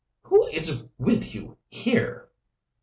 "Who is with you here?"